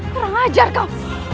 kurang ajar kau